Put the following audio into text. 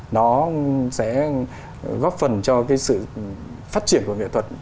nó sẽ góp phần cho cái sự phát triển của nghệ thuật